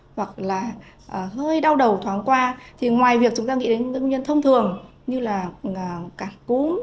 hoặc là hơi đau đầu thoáng qua thì ngoài việc chúng ta nghĩ đến nguyên nhân thông thường như là cả cúm